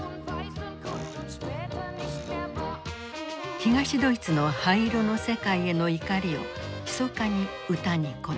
東ドイツの灰色の世界への怒りをひそかに歌に込めた。